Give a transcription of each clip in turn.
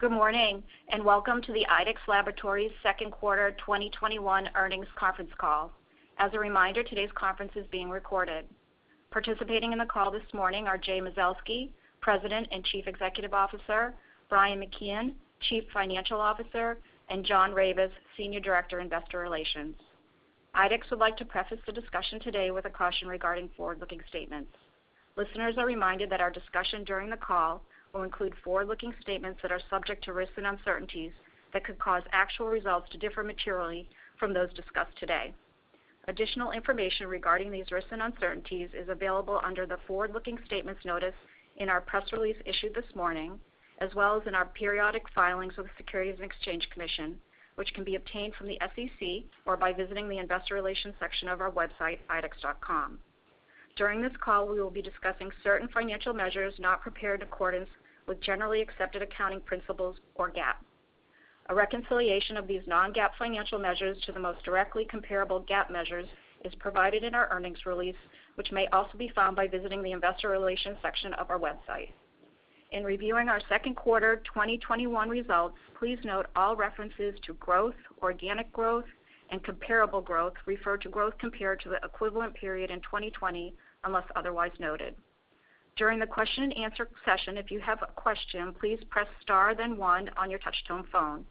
Good morning, and welcome to the IDEXX Laboratories Second Quarter 2021 Earnings Conference Call. A reminder, today's conference is being recorded. Participating in the call this morning are Jay Mazelsky, President and Chief Executive Officer, Brian McKeon, Chief Financial Officer, and John Ravis, Senior Director, Investor Relations. IDEXX would like to preface the discussion today with a caution regarding forward-looking statements. Listeners are reminded that our discussion during the call will include forward-looking statements that are subject to risks and uncertainties that could cause actual results to differ materially from those discussed today. Additional information regarding these risks and uncertainties is available under the forward-looking statements notice in our press release issued this morning, as well as in our periodic filings with the Securities and Exchange Commission, which can be obtained from the SEC or by visiting the investor relations section of our website, idexx.com. During this call, we will be discussing certain financial measures not prepared in accordance with generally accepted accounting principles or GAAP. A reconciliation of these non-GAAP financial measures to the most directly comparable GAAP measures is provided in our earnings release, which may also be found by visiting the investor relations section of our website. In reviewing our second quarter 2021 results, please note all references to growth, organic growth, and comparable growth refer to growth compared to the equivalent period in 2020, unless otherwise noted. During the question-and-answer session, if you have a question, please press star then one on your touch-tone phone.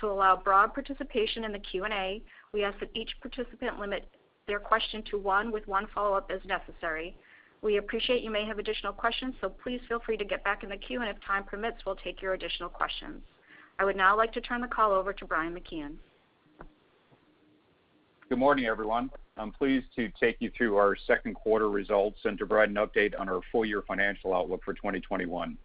To allow broad participation in the Q&A, we ask that each participant limit their question to one with one follow-up as necessary. We appreciate you may have additional questions, so please feel free to get back in the queue, and if time permits, we'll take your additional questions. I would now like to turn the call over to Brian McKeon. Good morning, everyone. I'm pleased to take you through our second quarter results and to provide an update on our full-year financial outlook for 2021.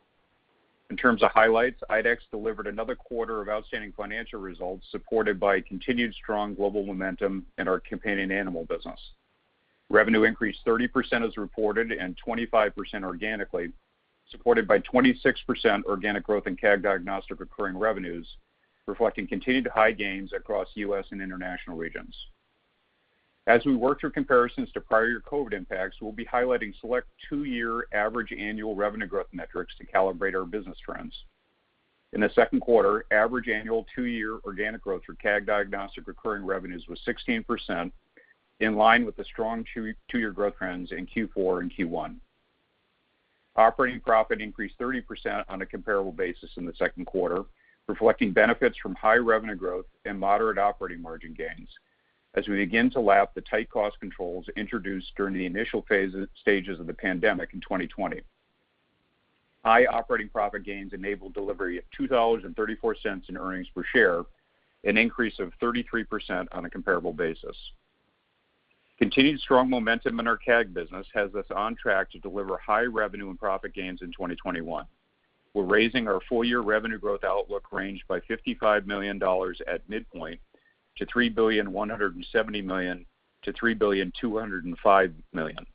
In terms of highlights, IDEXX delivered another quarter of outstanding financial results supported by continued strong global momentum in our companion animal business. Revenue increased 30% as reported and 25% organically, supported by 26% organic growth in CAG Diagnostic recurring revenues, reflecting continued high gains across U.S. and international regions. As we work through comparisons to prior-year COVID impacts, we'll be highlighting select two-year average annual revenue growth metrics to calibrate our business trends. In the second quarter, average annual two-year organic growth for CAG Diagnostic recurring revenues was 16%, in line with the strong two-year growth trends in Q4 and Q1. Operating profit increased 30% on a comparable basis in the second quarter, reflecting benefits from high revenue growth and moderate operating margin gains as we begin to lap the tight cost controls introduced during the initial stages of the pandemic in 2020. High operating profit gains enabled delivery of $2.34 in earnings per share, an increase of 33% on a comparable basis. Continued strong momentum in our CAG business has us on track to deliver high revenue and profit gains in 2021. We're raising our full-year revenue growth outlook range by $55 million at midpoint to $3.17 billion-$3.205 billion.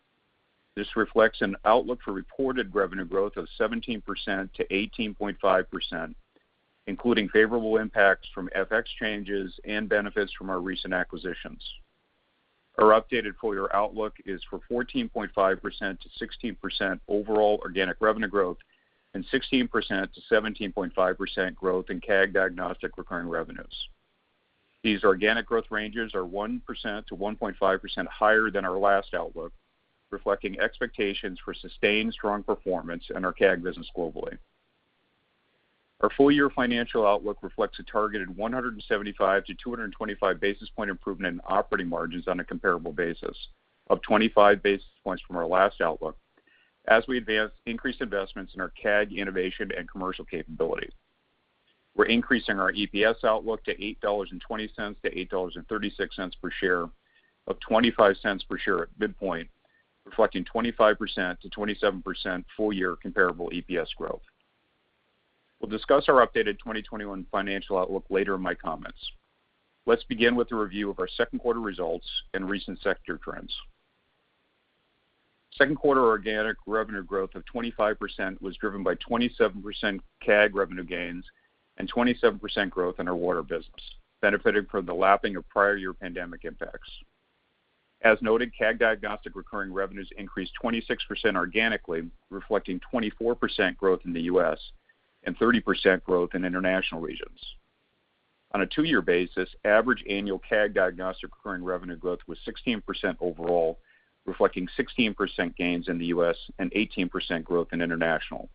This reflects an outlook for reported revenue growth of 17%-18.5%, including favorable impacts from FX changes and benefits from our recent acquisitions. Our updated full-year outlook is for 14.5%-16% overall organic revenue growth and 16%-17.5% growth in CAG Diagnostic recurring revenues. These organic growth ranges are 1%-1.5% higher than our last outlook, reflecting expectations for sustained strong performance in our CAG business globally. Our full-year financial outlook reflects a targeted 175-225 basis point improvement in operating margins on a comparable basis of 25 basis points from our last outlook as we advance increased investments in our CAG innovation and commercial capabilities. We're increasing our EPS outlook to $8.20-$8.36 per share of $0.25 per share at midpoint, reflecting 25%-27% full-year comparable EPS growth. We'll discuss our updated 2021 financial outlook later in my comments. Let's begin with a review of our second quarter results and recent sector trends. Second quarter organic revenue growth of 25% was driven by 27% CAG revenue gains and 27% growth in our water business, benefiting from the lapping of prior year pandemic impacts. As noted, CAG Diagnostic recurring revenues increased 26% organically, reflecting 24% growth in the U.S. and 30% growth in international regions. On a two-year basis, average annual CAG Diagnostic recurring revenue growth was 16% overall, reflecting 16% gains in the U.S. and 18% growth in international.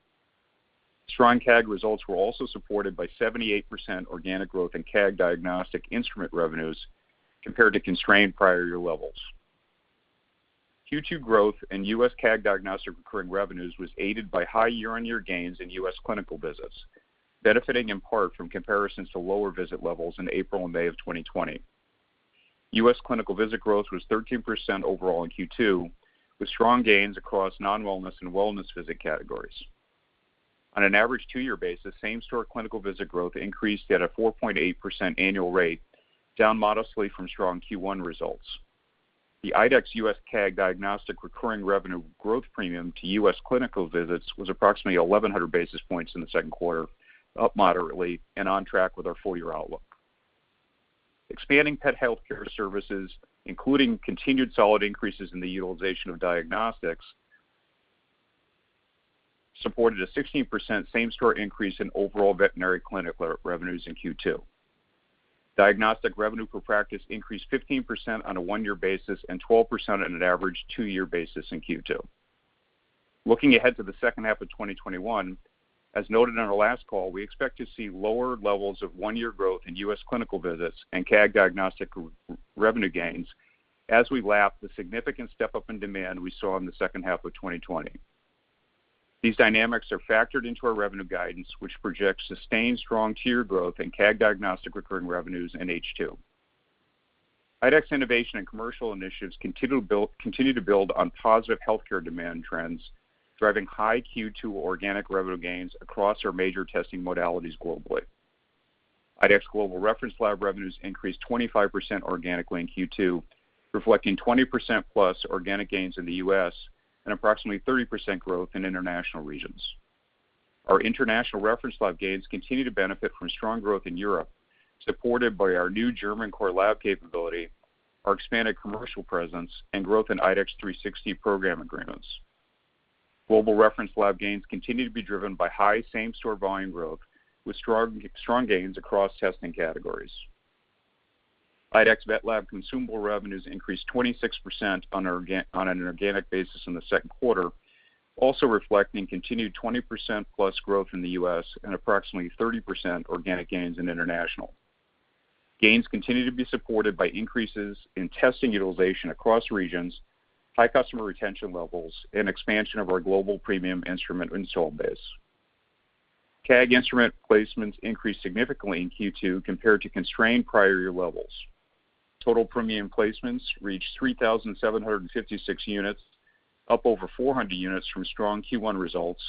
Strong CAG results were also supported by 78% organic growth in CAG Diagnostic instrument revenues compared to constrained prior year levels. Q2 growth in U.S. CAG Diagnostic recurring revenues was aided by high year-over-year gains in U.S. clinical visits, benefiting in part from comparisons to lower visit levels in April and May of 2020. U.S. clinical visit growth was 13% overall in Q2, with strong gains across non-wellness and wellness visit categories. On an average two-year basis, same-store clinical visit growth increased at a 4.8% annual rate, down modestly from strong Q1 results. The IDEXX U.S. CAG Diagnostic recurring revenue growth premium to U.S. clinical visits was approximately 1,100 basis points in the second quarter, up moderately and on track with our full-year outlook. Expanding pet healthcare services, including continued solid increases in the utilization of diagnostics, supported a 16% same-store increase in overall veterinary clinical revenues in Q2. Diagnostic revenue per practice increased 15% on a one-year basis and 12% on an average two-year basis in Q2. Looking ahead to the second half of 2021, as noted on our last call, we expect to see lower levels of one-year growth in U.S. clinical visits and CAG Diagnostic recurring revenue gains as we lap the significant step up in demand we saw in the second half of 2020. These dynamics are factored into our revenue guidance, which projects sustained strong two-year growth and CAG Diagnostic recurring revenues in H2. IDEXX innovation and commercial initiatives continue to build on positive healthcare demand trends, driving high Q2 organic revenue gains across our major testing modalities globally. IDEXX Reference Laboratories revenues increased 25% organically in Q2, reflecting 20%+ organic gains in the U.S. and approximately 30% growth in international regions. Our international reference lab gains continue to benefit from strong growth in Europe, supported by our new German core lab capability, our expanded commercial presence, and growth in IDEXX 360 program agreements. Global reference lab gains continue to be driven by high same-store volume growth with strong gains across testing categories. IDEXX VetLab consumable revenues increased 26% on an organic basis in the second quarter, also reflecting continued 20%+ growth in the U.S. and approximately 30% organic gains in international. Gains continue to be supported by increases in testing utilization across regions, high customer retention levels, and expansion of our global premium instrument install base. CAG instrument placements increased significantly in Q2 compared to constrained prior year levels. Total premium placements reached 3,756 units, up over 400 units from strong Q1 results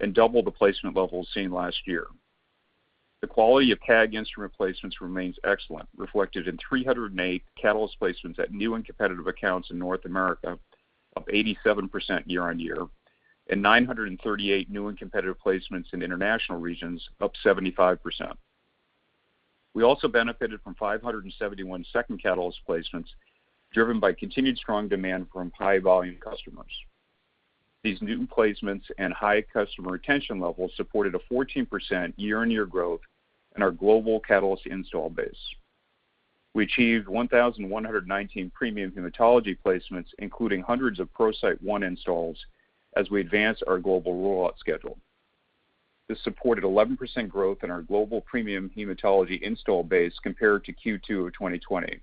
and double the placement levels seen last year. The quality of CAG instrument placements remains excellent, reflected in 308 Catalyst placements at new and competitive accounts in North America, up 87% year-on-year, and 938 new and competitive placements in international regions, up 75%. We also benefited from 571 second Catalyst placements, driven by continued strong demand from high volume customers. These new placements and high customer retention levels supported a 14% year-on-year growth in our global Catalyst install base. We achieved 1,119 premium hematology placements, including hundreds of ProCyte One installs as we advance our global rollout schedule. This supported 11% growth in our global premium hematology install base compared to Q2 of 2020.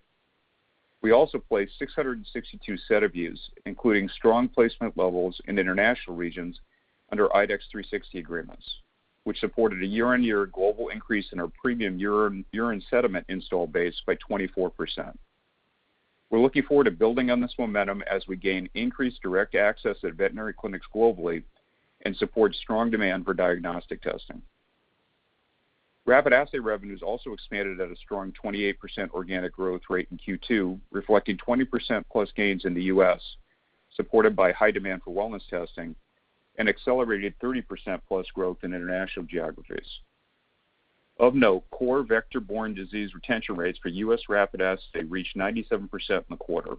We also placed 662 SediVue Dx, including strong placement levels in international regions under IDEXX 360 agreements, which supported a year-over-year global increase in our premium urine sediment install base by 24%. We're looking forward to building on this momentum as we gain increased direct access at veterinary clinics globally and support strong demand for diagnostic testing. Rapid assay revenues also expanded at a strong 28% organic growth rate in Q2, reflecting 20%+ gains in the U.S., supported by high demand for wellness testing and accelerated 30%+ growth in international geographies. Of note, core vector-borne disease retention rates for U.S. rapid assay reached 97% in the quarter,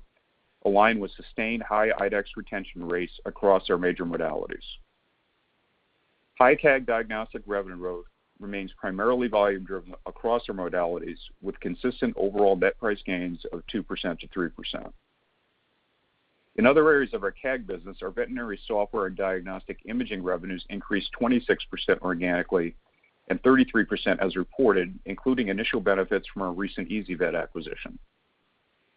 aligned with sustained high IDEXX retention rates across our major modalities. High CAG Diagnostic revenue growth remains primarily volume-driven across our modalities, with consistent overall net price gains of 2%-3%. In other areas of our CAG business, our veterinary software and diagnostic imaging revenues increased 26% organically and 33% as reported, including initial benefits from our recent ezyVet acquisition.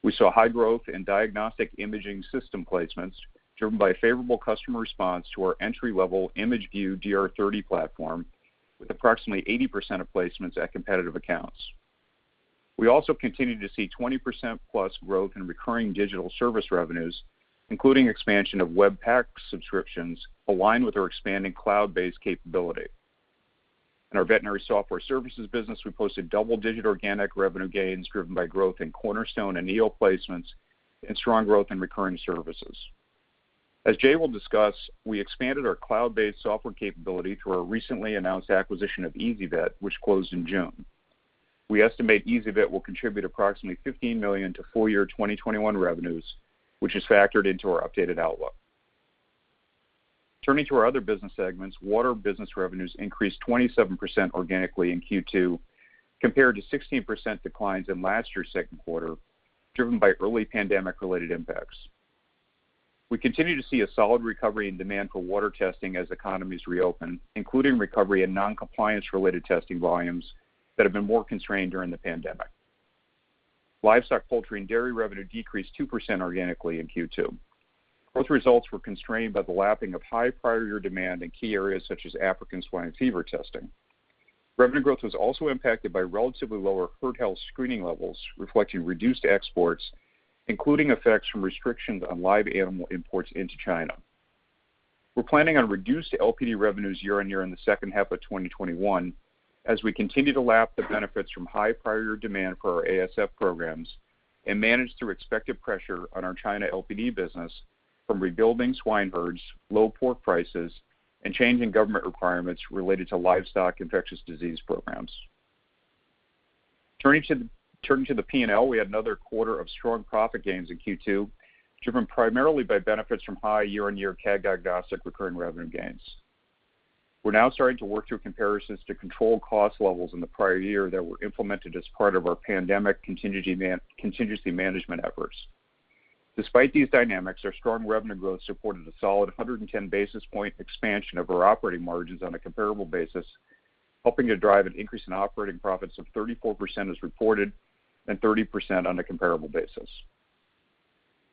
We saw high growth in diagnostic imaging system placements driven by a favorable customer response to our entry-level ImageVue DR30 platform with approximately 80% of placements at competitive accounts. We also continued to see 20%+ growth in recurring digital service revenues, including expansion of Web PACS subscriptions aligned with our expanding cloud-based capability. In our veterinary software services business, we posted double-digit organic revenue gains driven by growth in Cornerstone and Neo placements and strong growth in recurring services. As Jay Mazelsky will discuss, we expanded our cloud-based software capability through our recently announced acquisition of ezyVet, which closed in June. We estimate ezyVet will contribute approximately $15 million to full year 2021 revenues, which is factored into our updated outlook. Turning to our other business segments, water business revenues increased 27% organically in Q2 compared to 16% declines in last year's second quarter, driven by early pandemic-related impacts. We continue to see a solid recovery in demand for water testing as economies reopen, including recovery in non-compliance related testing volumes that have been more constrained during the pandemic. Livestock, poultry, and dairy revenue decreased 2% organically in Q2. Growth results were constrained by the lapping of high prior year demand in key areas such as African swine fever testing. Revenue growth was also impacted by relatively lower herd health screening levels, reflecting reduced exports, including effects from restrictions on live animal imports into China. We're planning on reduced LPD revenues year-on-year in the second half of 2021 as we continue to lap the benefits from high prior demand for our ASF programs and manage through expected pressure on our China LPD business from rebuilding swine herds, low pork prices, and changing government requirements related to livestock infectious disease programs. Turning to the P&L, we had another quarter of strong profit gains in Q2, driven primarily by benefits from high year-on-year CAG Diagnostic recurring revenue gains. We're now starting to work through comparisons to control cost levels in the prior year that were implemented as part of our pandemic contingency management efforts. Despite these dynamics, our strong revenue growth supported a solid 110 basis point expansion of our operating margins on a comparable basis, helping to drive an increase in operating profits of 34% as reported and 30% on a comparable basis.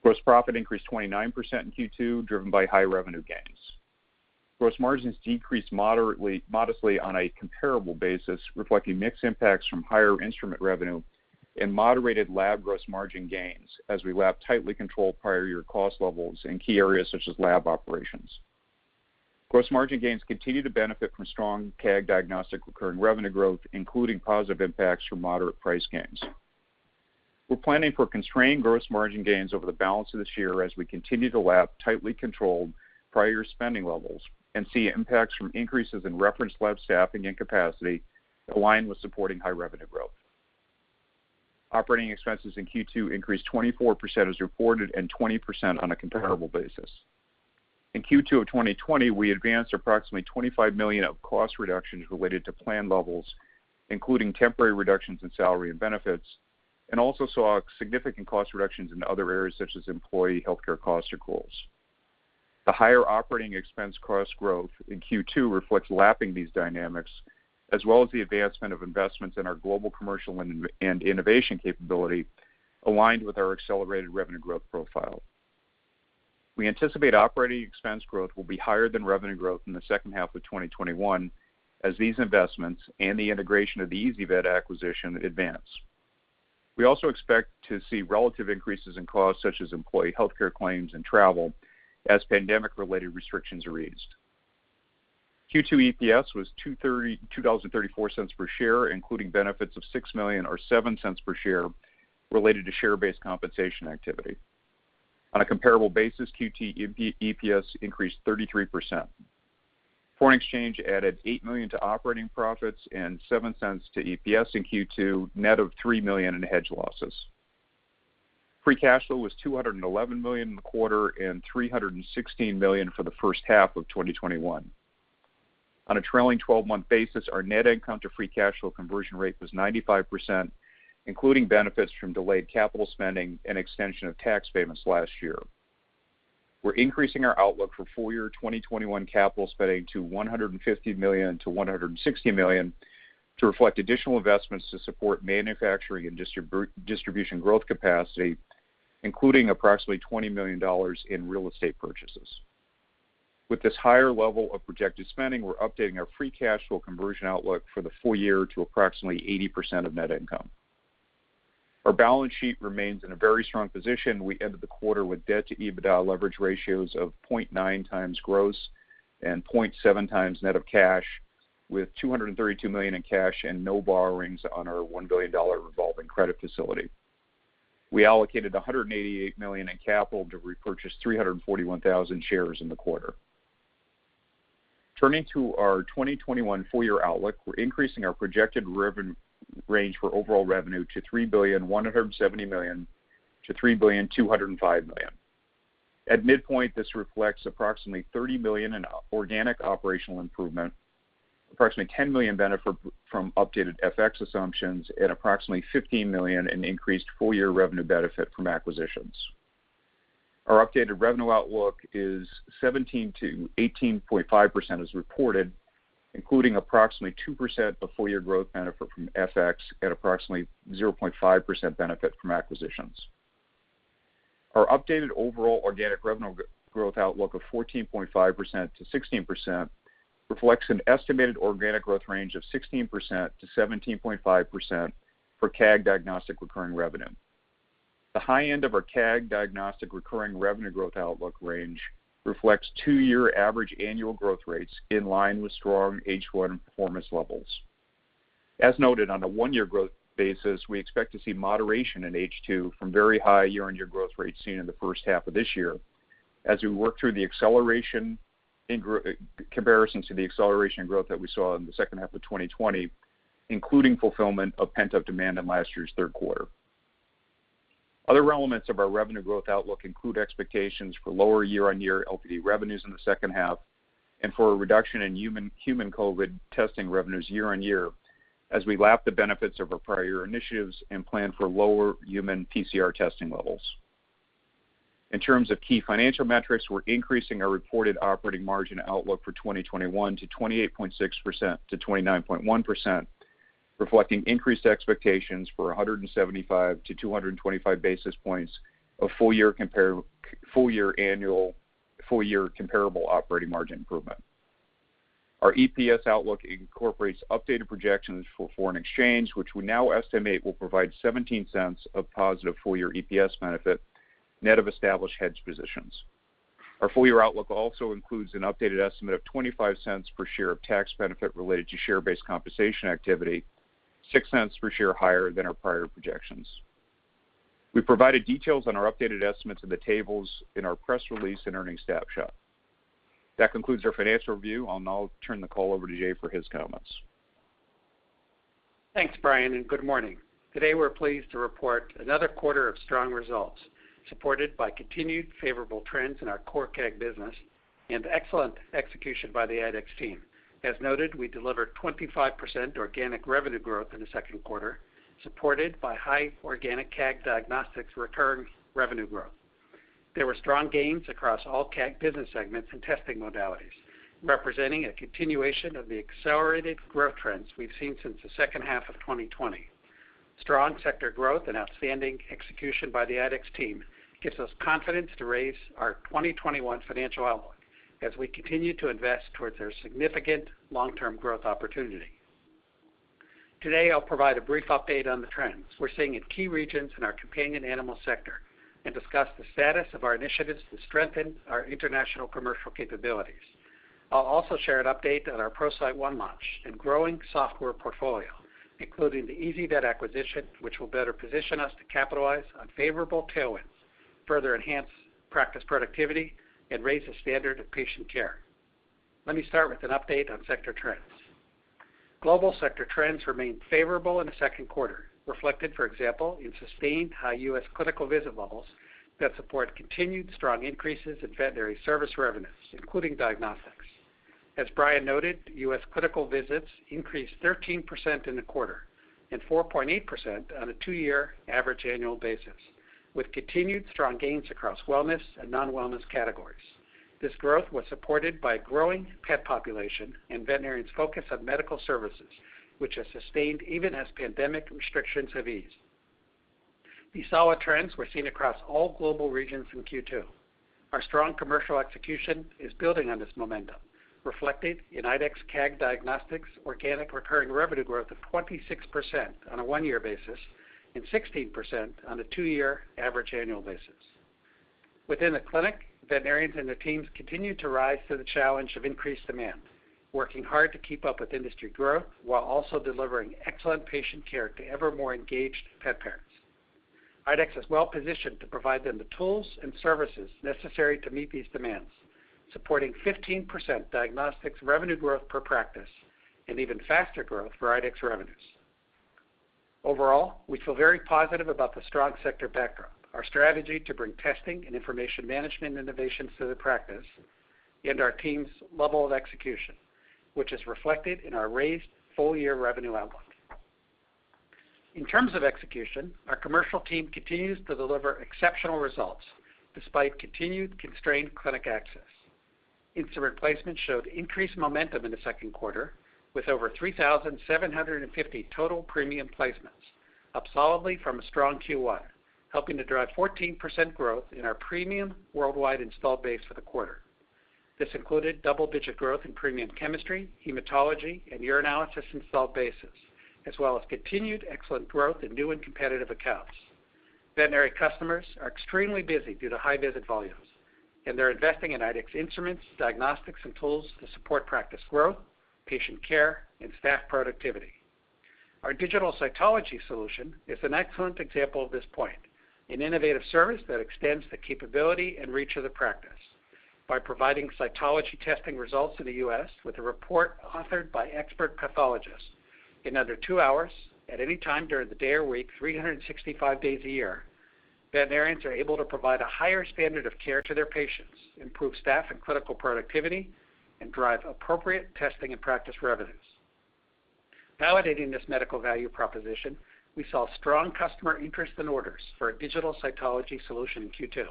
Gross profit increased 29% in Q2, driven by high revenue gains. Gross margins decreased modestly on a comparable basis, reflecting mix impacts from higher instrument revenue and moderated lab gross margin gains as we lapped tightly controlled prior year cost levels in key areas such as lab operations. Gross margin gains continue to benefit from strong CAG Diagnostic recurring revenue growth, including positive impacts from moderate price gains. We're planning for constrained gross margin gains over the balance of this year as we continue to lap tightly controlled prior spending levels and see impacts from increases in reference lab staffing and capacity aligned with supporting high revenue growth. Operating expenses in Q2 increased 24% as reported and 20% on a comparable basis. In Q2 of 2020, we advanced approximately $25 million of cost reductions related to planned levels, including temporary reductions in salary and benefits, and also saw significant cost reductions in other areas such as employee healthcare cost accruals. The higher operating expense cost growth in Q2 reflects lapping these dynamics as well as the advancement of investments in our global commercial and innovation capability aligned with our accelerated revenue growth profile. We anticipate operating expense growth will be higher than revenue growth in the second half of 2021 as these investments and the integration of the ezyVet acquisition advance. We also expect to see relative increases in costs such as employee healthcare claims and travel as pandemic-related restrictions are eased. Q2 EPS was $2.34 per share, including benefits of $6 million or $0.07 per share related to share-based compensation activity. On a comparable basis, EPS increased 33%. Foreign exchange added $8 million to operating profits and $0.07 to EPS in Q2, net of $3 million in hedge losses. Free cash flow was $211 million in the quarter and $316 million for the first half of 2021. On a trailing 12-month basis, our net income to free cash flow conversion rate was 95%, including benefits from delayed capital spending and extension of tax payments last year. We're increasing our outlook for full year 2021 capital spending to $150 million to $160 million to reflect additional investments to support manufacturing and distribution growth capacity, including approximately $20 million in real estate purchases. With this higher level of projected spending, we're updating our free cash flow conversion outlook for the full year to approximately 80% of net income. Our balance sheet remains in a very strong position. We ended the quarter with debt-to-EBITDA leverage ratios of 0.9x gross and 0.7x net of cash, with $232 million in cash and no borrowings on our $1 billion revolving credit facility. We allocated $188 million in capital to repurchase 341,000 shares in the quarter. Turning to our 2021 full year outlook, we're increasing our projected revenue range for overall revenue to $3.17 billion-$3.205 billion. At midpoint, this reflects approximately $30 million in organic operational improvement, approximately $10 million benefit from updated FX assumptions, and approximately $15 million in increased full year revenue benefit from acquisitions. Our updated revenue outlook is 17%-18.5% as reported, including approximately 2% of full year growth benefit from FX at approximately 0.5% benefit from acquisitions. Our updated overall organic revenue growth outlook of 14.5%-16% reflects an estimated organic growth range of 16%-17.5% for CAG Diagnostic recurring revenue. The high end of our CAG Diagnostic recurring revenue growth outlook range reflects two-year average annual growth rates in line with strong H1 performance levels. As noted, on a one-year growth basis, we expect to see moderation in H2 from very high year-on-year growth rates seen in the first half of this year as we work through the acceleration in comparisons to the acceleration growth that we saw in the second half of 2020, including fulfillment of pent-up demand in last year's third quarter. Other elements of our revenue growth outlook include expectations for lower year-on-year LPD revenues in the second half and for a reduction in human COVID testing revenues year-on-year as we lap the benefits of our prior initiatives and plan for lower human PCR testing levels. In terms of key financial metrics, we're increasing our reported operating margin outlook for 2021 to 28.6%-29.1%, reflecting increased expectations for 175-225 basis points of full year comparable operating margin improvement. Our EPS outlook incorporates updated projections for foreign exchange, which we now estimate will provide $0.17 of positive full year EPS benefit net of established hedge positions. Our full year outlook also includes an updated estimate of $0.25 per share of tax benefit related to share-based compensation activity, $0.06 per share higher than our prior projections. We provided details on our updated estimates in the tables in our press release and earnings snapshot. That concludes our financial review. I'll now turn the call over to Jay for his comments. Thanks, Brian. Good morning. Today, we're pleased to report another quarter of strong results, supported by continued favorable trends in our core CAG business and excellent execution by the IDEXX team. As noted, we delivered 25% organic revenue growth in the second quarter, supported by high organic CAG Diagnostics recurring revenue growth. There were strong gains across all CAG business segments and testing modalities, representing a continuation of the accelerated growth trends we've seen since the second half of 2020. Strong sector growth and outstanding execution by the IDEXX team gives us confidence to raise our 2021 financial outlook as we continue to invest towards our significant long-term growth opportunity. Today, I'll provide a brief update on the trends we're seeing in key regions in our companion animal sector and discuss the status of our initiatives to strengthen our international commercial capabilities. I'll also share an update on our ProCyte One launch and growing software portfolio, including the ezyVet acquisition, which will better position us to capitalize on favorable tailwinds, further enhance practice productivity, and raise the standard of patient care. Let me start with an update on sector trends. Global sector trends remained favorable in the second quarter, reflected, for example, in sustained high U.S. clinical visit levels that support continued strong increases in veterinary service revenues, including diagnostics. As Brian noted, U.S. clinical visits increased 13% in the quarter and 4.8% on a two-year average annual basis, with continued strong gains across wellness and non-wellness categories. This growth was supported by a growing pet population and veterinarians' focus on medical services, which has sustained even as pandemic restrictions have eased. These solid trends were seen across all global regions in Q2. Our strong commercial execution is building on this momentum, reflected in IDEXX CAG Diagnostics organic recurring revenue growth of 26% on a 1-year basis and 16% on a 2-year average annual basis. Within the clinic, veterinarians and their teams continued to rise to the challenge of increased demand, working hard to keep up with industry growth while also delivering excellent patient care to ever more engaged pet parents. IDEXX is well-positioned to provide them the tools and services necessary to meet these demands, supporting 15% diagnostics revenue growth per practice and even faster growth for IDEXX revenues. Overall, we feel very positive about the strong sector backdrop, our strategy to bring testing and information management innovations to the practice, and our team's level of execution, which is reflected in our raised full-year revenue outlook. In terms of execution, our commercial team continues to deliver exceptional results despite continued constrained clinic access. Instrument placements showed increased momentum in the second quarter, with over 3,750 total premium placements, up solidly from a strong Q1, helping to drive 14% growth in our premium worldwide installed base for the quarter. This included double-digit growth in premium chemistry, hematology, and urinalysis installed bases, as well as continued excellent growth in new and competitive accounts. Veterinary customers are extremely busy due to high visit volumes, and they're investing in IDEXX instruments, diagnostics, and tools to support practice growth, patient care, and staff productivity. Our IDEXX Digital Cytology solution is an excellent example of this point, an innovative service that extends the capability and reach of the practice. By providing cytology testing results in the U.S. with a report authored by expert pathologists in under two hours at any time during the day or week, 365 days a year, veterinarians are able to provide a higher standard of care to their patients, improve staff and clinical productivity, and drive appropriate testing and practice revenues. Validating this medical value proposition, we saw strong customer interest and orders for a digital cytology solution in Q2.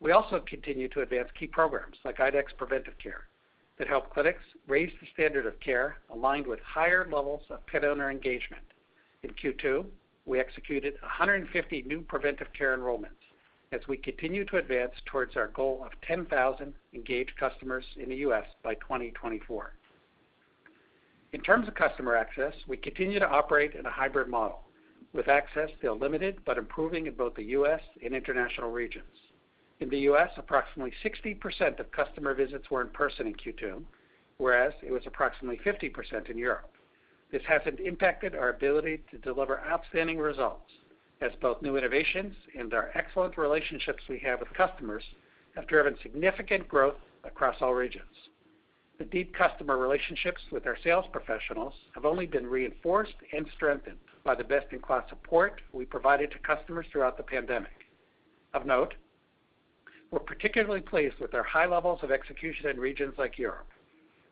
We also continue to advance key programs like IDEXX Preventive Care that help clinics raise the standard of care aligned with higher levels of pet owner engagement. In Q2, we executed 150 new preventive care enrollments as we continue to advance towards our goal of 10,000 engaged customers in the U.S. by 2024. In terms of customer access, we continue to operate in a hybrid model with access still limited but improving in both the U.S. and international regions. In the U.S., approximately 60% of customer visits were in person in Q2, whereas it was approximately 50% in Europe. This hasn't impacted our ability to deliver outstanding results as both new innovations and our excellent relationships we have with customers have driven significant growth across all regions. The deep customer relationships with our sales professionals have only been reinforced and strengthened by the best-in-class support we provided to customers throughout the pandemic. Of note, we're particularly pleased with our high levels of execution in regions like Europe,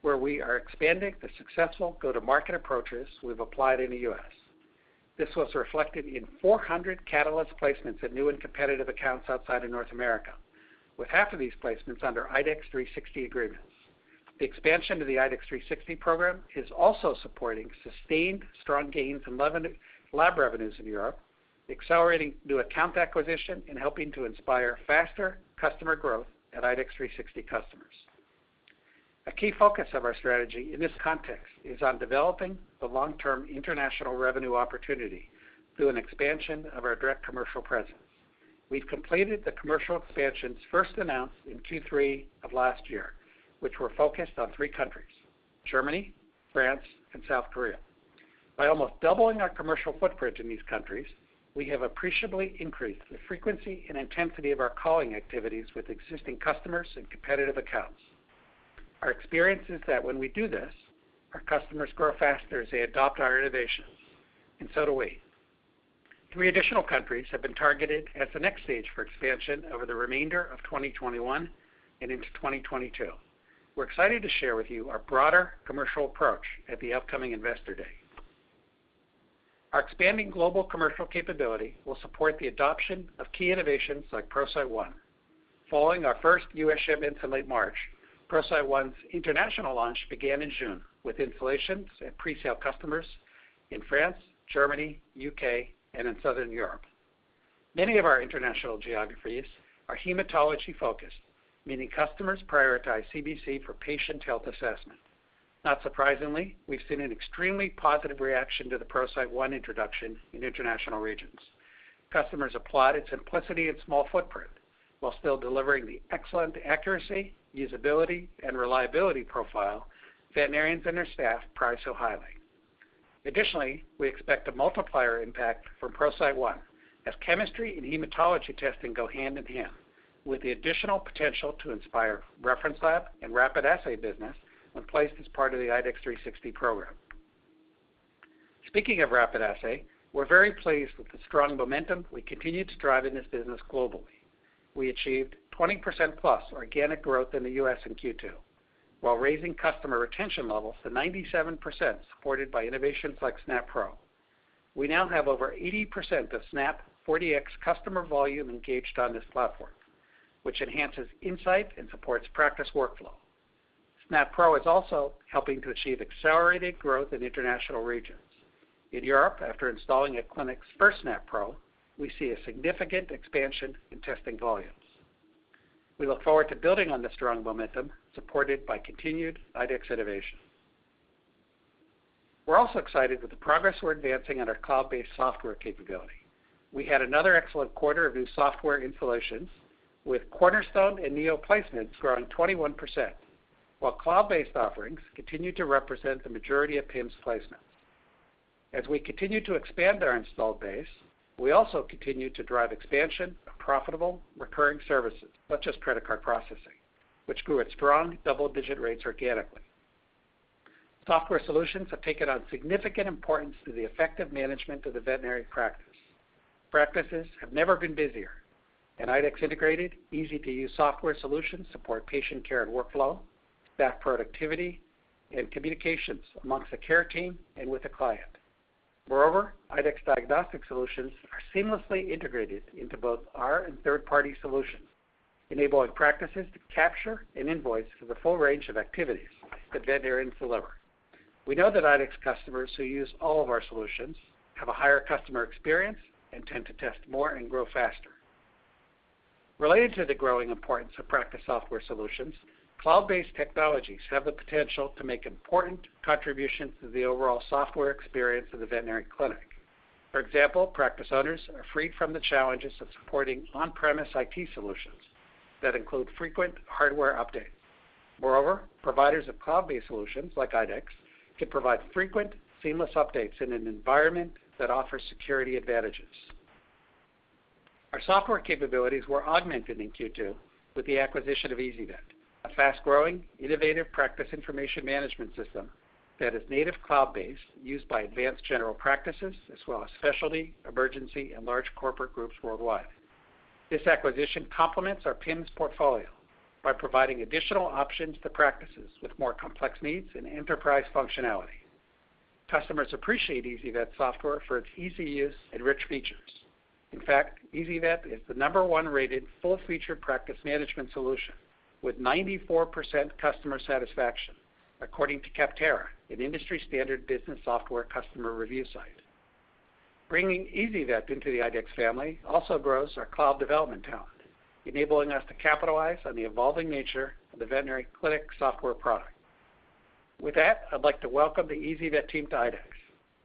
where we are expanding the successful go-to-market approaches we've applied in the U.S. This was reflected in 400 Catalyst placements at new and competitive accounts outside of North America, with half of these placements under IDEXX 360 agreements. The expansion to the IDEXX 360 program is also supporting sustained strong gains in lab revenues in Europe, accelerating new account acquisition, and helping to inspire faster customer growth at IDEXX 360 customers. A key focus of our strategy in this context is on developing the long-term international revenue opportunity through an expansion of our direct commercial presence. We've completed the commercial expansions first announced in Q3 of last year, which were focused on three countries: Germany, France, and South Korea. By almost doubling our commercial footprint in these countries, we have appreciably increased the frequency and intensity of our calling activities with existing customers and competitive accounts. Our experience is that when we do this, our customers grow faster as they adopt our innovations, and so do we. Three additional countries have been targeted as the next stage for expansion over the remainder of 2021 and into 2022. We're excited to share with you our broader commercial approach at the upcoming Investor Day. Our expanding global commercial capability will support the adoption of key innovations like ProCyte One. Following our first U.S. shipment in late March, ProCyte One's international launch began in June with installations and presale customers in France, Germany, U.K., and in Southern Europe. Many of our international geographies are hematology-focused, meaning customers prioritize CBC for patient health assessment. Not surprisingly, we've seen an extremely positive reaction to the ProCyte One introduction in international regions. Customers applaud its simplicity and small footprint while still delivering the excellent accuracy, usability, and reliability profile veterinarians and their staff prize so highly. Additionally, we expect a multiplier impact from ProCyte One as chemistry and hematology testing go hand in hand with the additional potential to inspire reference lab and rapid assay business when placed as part of the IDEXX 360 program. Speaking of rapid assay, we're very pleased with the strong momentum we continue to drive in this business globally. We achieved 20% plus organic growth in the U.S. in Q2 while raising customer retention levels to 97% supported by innovations like SNAP Pro. We now have over 80% of SNAP 4Dx customer volume engaged on this platform, which enhances insight and supports practice workflow. SNAP Pro is also helping to achieve accelerated growth in international regions. In Europe, after installing a clinic's first SNAP Pro, we see a significant expansion in testing volumes. We look forward to building on this strong momentum supported by continued IDEXX innovation. We're also excited with the progress we're advancing on our cloud-based software capability. We had another excellent quarter of new software installations, with Cornerstone and Neo placements growing 21% while cloud-based offerings continue to represent the majority of PIMS placements. As we continue to expand our installed base, we also continue to drive expansion of profitable recurring services such as credit card processing, which grew at strong double-digit rates organically. Software solutions have taken on significant importance to the effective management of the veterinary practice. Practices have never been busier. IDEXX integrated easy-to-use software solutions support patient care and workflow, staff productivity, and communications amongst the care team and with the client. Moreover, IDEXX diagnostic solutions are seamlessly integrated into both our and third-party solutions, enabling practices to capture and invoice for the full range of activities that veterinarians deliver. We know that IDEXX customers who use all of our solutions have a higher customer experience and tend to test more and grow faster. Related to the growing importance of practice software solutions, cloud-based technologies have the potential to make important contributions to the overall software experience of the veterinary clinic. For example, practice owners are freed from the challenges of supporting on-premise IT solutions that include frequent hardware updates. Moreover, providers of cloud-based solutions like IDEXX can provide frequent, seamless updates in an environment that offers security advantages. Our software capabilities were augmented in Q2 with the acquisition of ezyVet, a fast-growing, innovative practice information management system that is native cloud-based, used by advanced general practices as well as specialty, emergency, and large corporate groups worldwide. This acquisition complements our PIMS portfolio by providing additional options to practices with more complex needs and enterprise functionality. Customers appreciate ezyVet software for its easy use and rich features. In fact, ezyVet is the number one rated full feature practice management solution with 94% customer satisfaction according to Capterra, an industry standard business software customer review site. Bringing ezyVet into the IDEXX family also grows our cloud development talent, enabling us to capitalize on the evolving nature of the veterinary clinic software product. With that, I'd like to welcome the ezyVet team to IDEXX.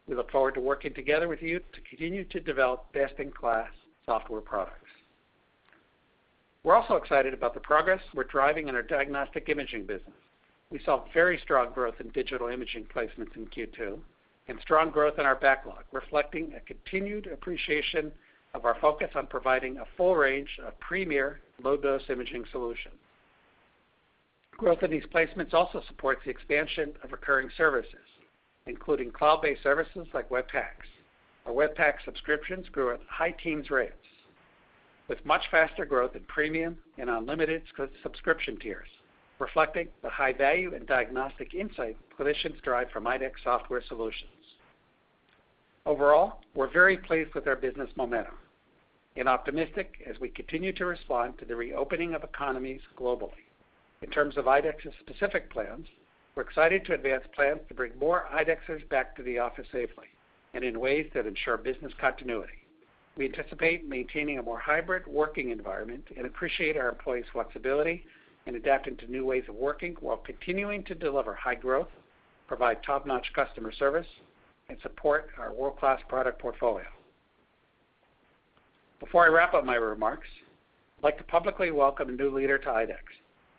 We look forward to working together with you to continue to develop best-in-class software products. We're also excited about the progress we're driving in our diagnostic imaging business. We saw very strong growth in digital imaging placements in Q2 and strong growth in our backlog, reflecting a continued appreciation of our focus on providing a full range of premier low-dose imaging solutions. Growth in these placements also supports the expansion of recurring services, including cloud-based services like Web PACS. Our Web PACS subscriptions grew at high-teens rates with much faster growth in premium and unlimited subscription tiers, reflecting the high value and diagnostic insight veterinarians derive from IDEXX software solutions. Overall, we're very pleased with our business momentum and optimistic as we continue to respond to the reopening of economies globally. In terms of IDEXX's specific plans, we're excited to advance plans to bring more IDEXXers back to the office safely and in ways that ensure business continuity. We anticipate maintaining a more hybrid working environment and appreciate our employees' flexibility in adapting to new ways of working while continuing to deliver high growth, provide top-notch customer service, and support our world-class product portfolio. Before I wrap up my remarks, I'd like to publicly welcome a new leader to IDEXX,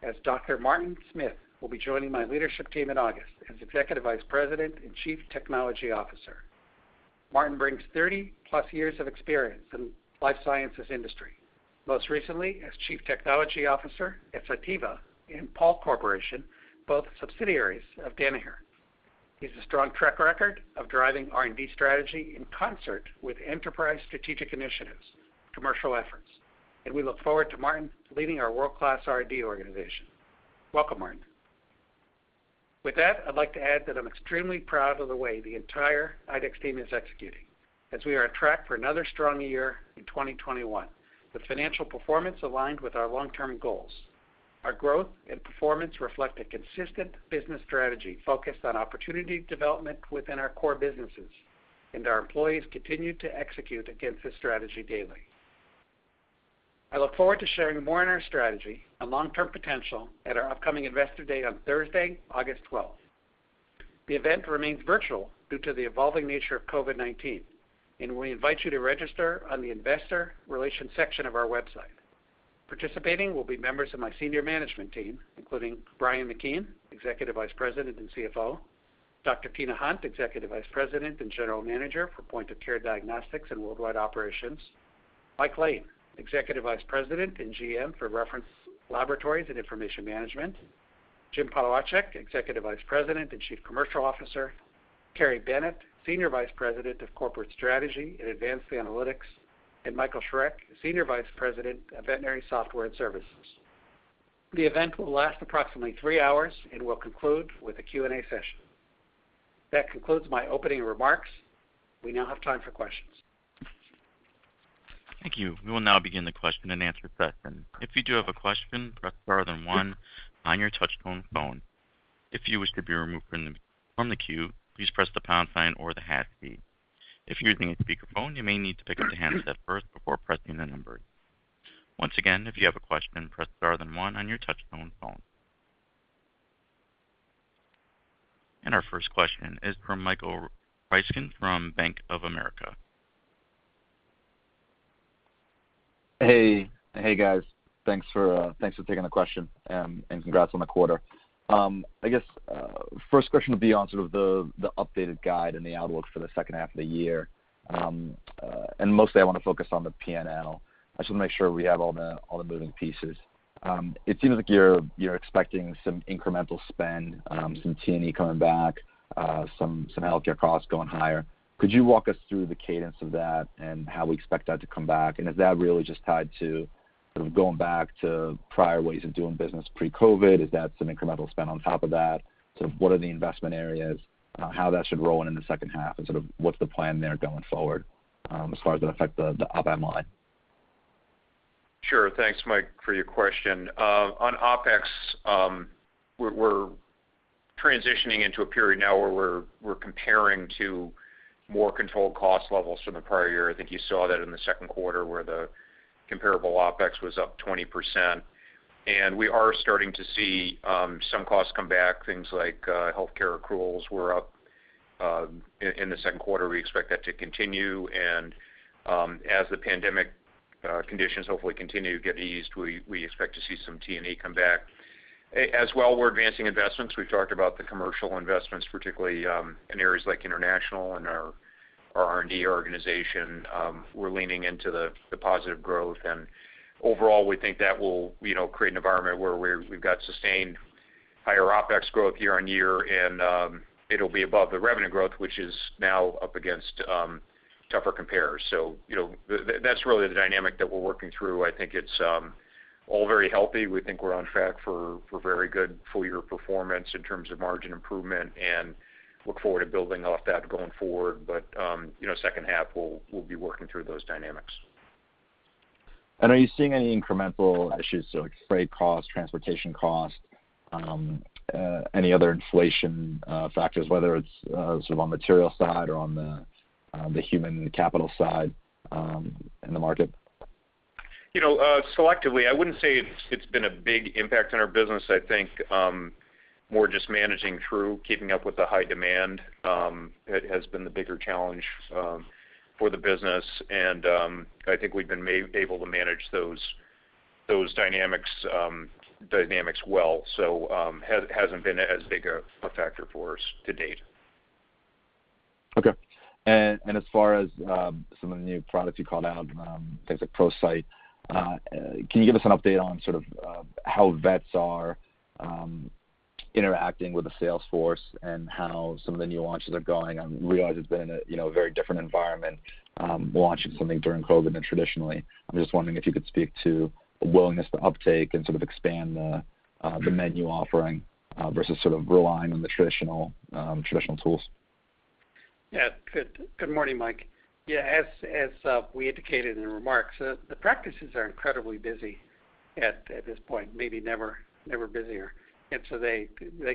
as Dr. Martin Smith will be joining my leadership team in August as Executive Vice President and Chief Technology Officer. Martin brings 30+ years of experience in the life sciences industry, most recently as Chief Technology Officer at Cytiva and Pall Corporation, both subsidiaries of Danaher. He has a strong track record of driving R&D strategy in concert with enterprise strategic initiatives, commercial efforts, and we look forward to Martin leading our world-class R&D organization. Welcome, Martin. With that, I'd like to add that I'm extremely proud of the way the entire IDEXX team is executing, as we are on track for another strong year in 2021, with financial performance aligned with our long-term goals. Our growth and performance reflect a consistent business strategy focused on opportunity development within our core businesses, and our employees continue to execute against this strategy daily. I look forward to sharing more on our strategy and long-term potential at our upcoming Investor Day on Thursday, August 12th. The event remains virtual due to the evolving nature of COVID-19, and we invite you to register on the investor relations section of our website. Participating will be members of my senior management team, including Brian McKeon, Executive Vice President and CFO, Dr. Tina Hunt, Executive Vice President and General Manager for Point-of-Care Diagnostics and Worldwide Operations, Mike Lane, Executive Vice President and GM for Reference Laboratories and Information Management, Jim Polewaczyk, Executive Vice President and Chief Commercial Officer, Kerry Bennett, Senior Vice President of Corporate Strategy and Advanced Analytics, and Michael Schreck, Senior Vice President of Veterinary Software and Services. The event will last approximately three hours and will conclude with a Q&A session. That concludes my opening remarks. We now have time for questions. Thank you. We will now begin the question-and-answer session. If you do have a question, press star then one on your touch-tone phone. If you wish to be removed from the queue, please press the pound sign or the hash key. If you're using a speakerphone, you may need to pick up the handset first before pressing the numbers. Once again, if you have a question, press star then one on your touch-tone phone. Our first question is from Michael Ryskin from Bank of America. Hey, guys. Thanks for taking the question, and congrats on the quarter. I guess, first question would be on sort of the updated guide and the outlook for the second half of the year. Mostly I wanna focus on the P&L. I just wanna make sure we have all the moving pieces. It seems like you're expecting some incremental spend, some T&E coming back, some healthcare costs going higher. Could you walk us through the cadence of that and how we expect that to come back? Is that really just tied to sort of going back to prior ways of doing business pre-COVID? Is that some incremental spend on top of that? Sort of what are the investment areas, how that should roll in in the second half, and sort of what's the plan there going forward, as far as it'll affect the op margin line? Sure. Thanks, Mike, for your question. On OpEx, we're transitioning into a period now where we're comparing to more controlled cost levels from the prior year. I think you saw that in the second quarter, where the comparable OpEx was up 20%. We are starting to see some costs come back, things like healthcare accruals were up in the second quarter. We expect that to continue and as the pandemic conditions hopefully continue to get eased, we expect to see some T&E come back. As well, we're advancing investments. We've talked about the commercial investments, particularly, in areas like international and our R&D organization. We're leaning into the positive growth and overall, we think that will, you know, create an environment where we've got sustained higher OpEx growth year-on-year and it'll be above the revenue growth, which is now up against tougher comparers. You know, that's really the dynamic that we're working through. I think it's all very healthy. We think we're on track for very good full-year performance in terms of margin improvement and look forward to building off that going forward. You know, second half, we'll be working through those dynamics. Are you seeing any incremental issues, so like freight costs, transportation costs, any other inflation factors, whether it's sort of on material side or on the human capital side, in the market? You know, selectively. I wouldn't say it's been a big impact on our business. I think more just managing through, keeping up with the high demand has been the bigger challenge for the business and I think we've been able to manage those dynamics well. Hasn't been as big a factor for us to date. Okay. As far as some of the new products you called out, things like ProCyte, can you give us an update on sort of how vets are interacting with the sales force and how some of the new launches are going? I realize it's been a, you know, very different environment, launching something during COVID than traditionally. I'm just wondering if you could speak to the willingness to uptake and sort of expand the menu offering versus sort of relying on the traditional tools. Yeah. Good morning, Mike. Yeah, as we indicated in the remarks, the practices are incredibly busy at this point, maybe never busier. They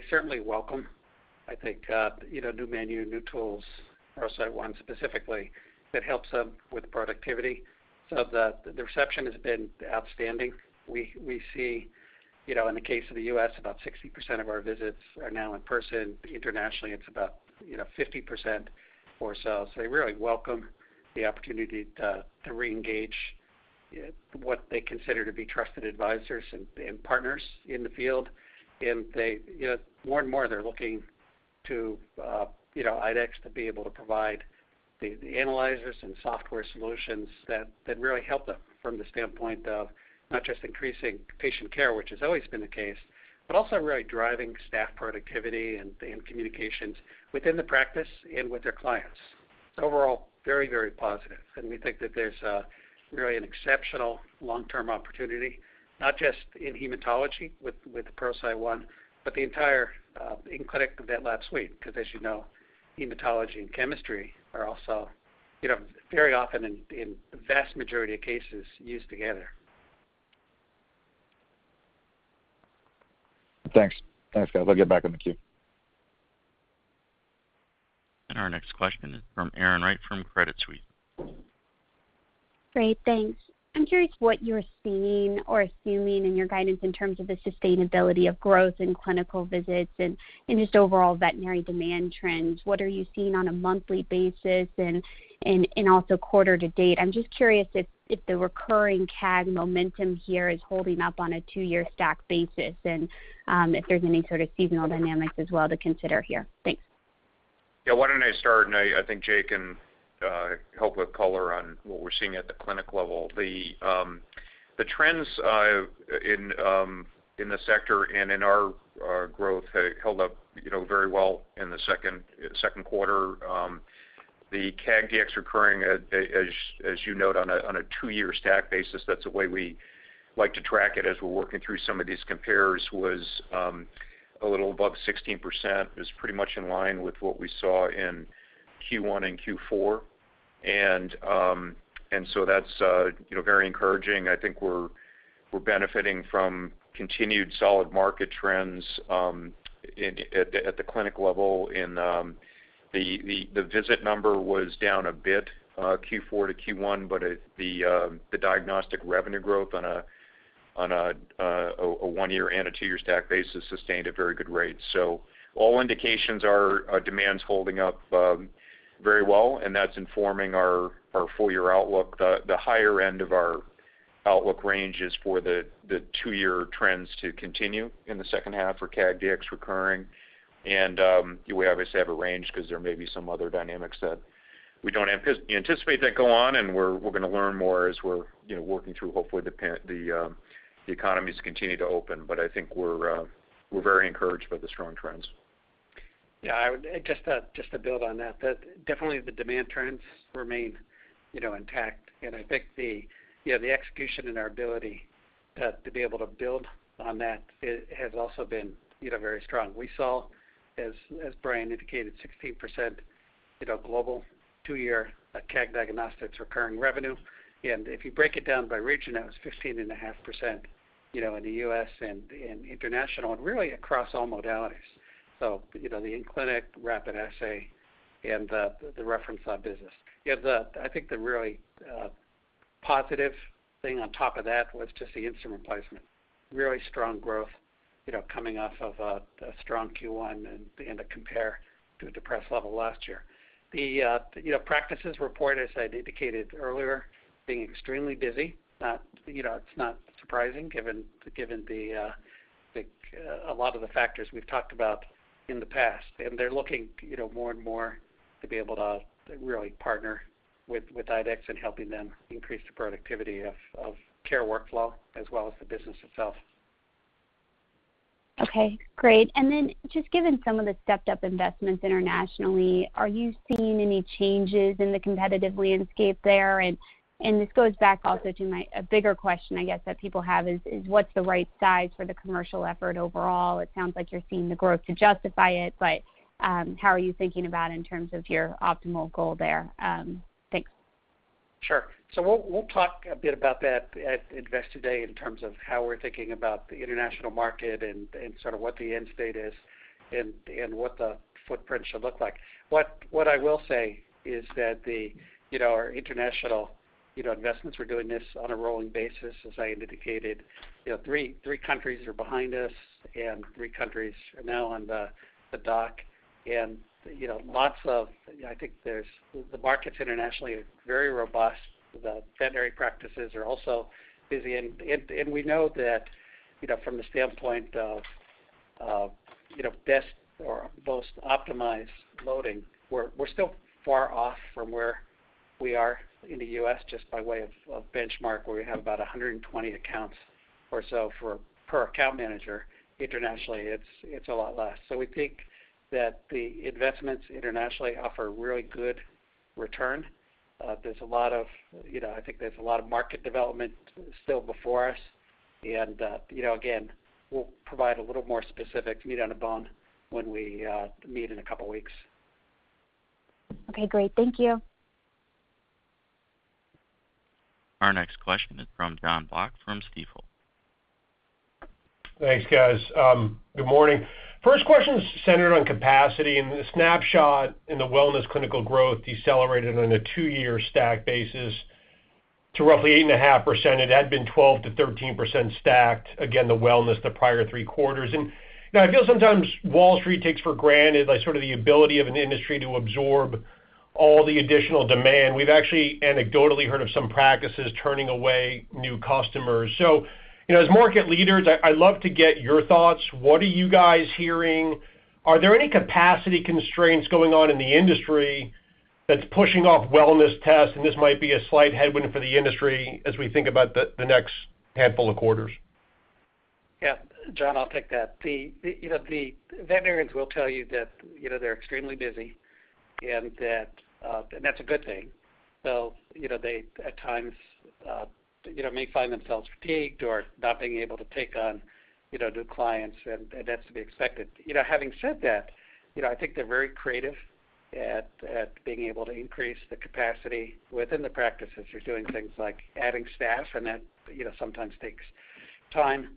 certainly welcome-I think, you know, new menu, new tools, ProCyte One specifically, that helps them with productivity. The reception has been outstanding. We see, you know, in the case of the U.S., about 60% of our visits are now in person. Internationally, it's about, you know, 50% or so. They really welcome the opportunity to reengage what they consider to be trusted advisors and partners in the field. They, you know, more and more, they're looking to, you know, IDEXX to be able to provide the analyzers and software solutions that really help them from the standpoint of not just increasing patient care, which has always been the case, but also really driving staff productivity and communications within the practice and with their clients. Overall, very, very positive. We think that there's really an exceptional long-term opportunity, not just in hematology with the ProCyte One, but the entire in-clinic IDEXX VetLab suite, because as you know, hematology and chemistry are also, you know, very often in the vast majority of cases, used together. Thanks. Thanks, guys. I'll get back in the queue. Our next question is from Erin Wright from Credit Suisse. Great. Thanks. I'm curious what you're seeing or assuming in your guidance in terms of the sustainability of growth in clinical visits and just overall veterinary demand trends. What are you seeing on a monthly basis and also quarter-to-date? I'm just curious if the recurring CAG momentum here is holding up on a two-year stack basis and if there's any sort of seasonal dynamics as well to consider here. Thanks. Yeah, why don't I start, and I think Jay can help with color on what we're seeing at the clinic level. The trends in the sector and in our growth have held up, you know, very well in the second quarter. The CAG DX recurring, as you note on a two-year stack basis, that's the way we like to track it as we're working through some of these compares, was a little above 16%. It was pretty much in line with what we saw in Q1 and Q4. That's, you know, very encouraging. I think we're benefiting from continued solid market trends at the clinic level, the visit number was down a bit Q4 to Q1, but the diagnostic revenue growth on a one-year and a two-year stack basis sustained at very good rates. All indications are demand's holding up very well, and that's informing our full-year outlook. The higher end of our outlook range is for the two-year trends to continue in the second half for CAG DX recurring. We obviously have a range because there may be some other dynamics that we don't anticipate that go on, and we're gonna learn more as we're, you know, working through, hopefully, the economies continue to open. I think we're very encouraged by the strong trends. I would just to build on that, definitely the demand trends remain, you know, intact. I think the, you know, the execution and our ability to be able to build on that has also been, you know, very strong. We saw, as Brian indicated, 16%, you know, global two-year CAG Diagnostic recurring revenue. If you break it down by region, that was 15.5%, you know, in the U.S. and in international, and really across all modalities. You know, the in-clinic, rapid assay, and the reference lab business. You know, I think the really positive thing on top of that was just the instrument placement. Really strong growth, you know, coming off of a strong Q1 and a compare to a depressed level last year. The, you know, practices report, as I indicated earlier, being extremely busy, not, you know, it's not surprising given the, a lot of the factors we've talked about in the past. They're looking, you know, more and more to be able to really partner with IDEXX in helping them increase the productivity of care workflow as well as the business itself. Okay, great. Then just given some of the stepped-up investments internationally, are you seeing any changes in the competitive landscape there? This goes back also to my bigger question that people have, is what's the right size for the commercial effort overall? It sounds like you're seeing the growth to justify it, but how are you thinking about in terms of your optimal goal there? Thanks. Sure. We'll talk a bit about that at Investor Day in terms of how we're thinking about the international market and sort of what the end state is and what the footprint should look like. What I will say is that the, you know, our international, you know, investments, we're doing this on a rolling basis. As I indicated, you know, three countries are behind us and three countries are now on the dock. You know, lots of, you know, I think the markets internationally are very robust. The veterinary practices are also busy and we know that, you know, from the standpoint of, you know, desk or most optimized loading, we're still far off from where we are in the U.S. just by way of benchmark, where we have about 120 accounts or so for per account manager. Internationally, it's a lot less. We think that the investments internationally offer really good return. There's a lot of, you know, I think there's a lot of market development still before us. You know, again, we'll provide a little more specific meat on the bone when we meet in a couple weeks. Okay, great. Thank you. Our next question is from Jon Block from Stifel. Thanks, guys. Good morning. First question is centered on capacity and the SNAPshot in the wellness clinical growth decelerated on a two-year stack basis to roughly 8.5%. It had been 12%-13% stacked. Again, the wellness the prior three quarters. You know, I feel sometimes Wall Street takes for granted, like, sort of the ability of an industry to absorb all the additional demand. We've actually anecdotally heard of some practices turning away new customers. You know, as market leaders, I love to get your thoughts. What are you guys hearing? Are there any capacity constraints going on in the industry that's pushing off wellness tests, and this might be a slight headwind for the industry as we think about the next handful of quarters? Yeah. Jon, I'll take that. You know, the veterinarians will tell you that, you know, they're extremely busy and that's a good thing. You know, they at times, you know, may find themselves fatigued or not being able to take on, you know, new clients, and that's to be expected. You know, having said that, you know, I think they're very creative at being able to increase the capacity within the practices. They're doing things like adding staff, and that, you know, sometimes takes time.